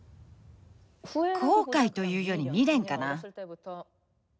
後悔というより未練かな。